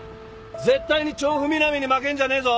絶対に調布南に負けんじゃねえぞ。